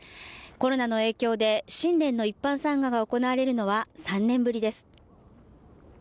コロナの影響で新年の一般参賀が行われるのは３年ぶりです